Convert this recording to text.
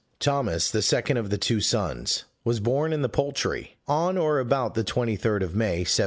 Thomas, the second of the two sons, was born in the Poultry, on or about the 23d of May, 1799.